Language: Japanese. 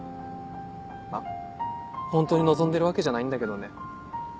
あホントに望んでるわけじゃないんだけどね。